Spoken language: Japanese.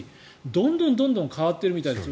どんどん変わってるみたいです。